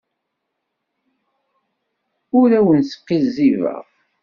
Ur awen-sqizzibeɣ.